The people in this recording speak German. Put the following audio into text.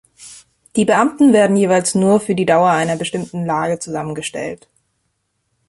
Die Beamten werden jeweils nur für die Dauer einer bestimmten Lage zusammengestellt.